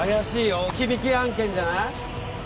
置き引き案件じゃない？